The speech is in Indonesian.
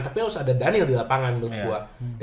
tapi harus ada daniel di lapangan menurut gue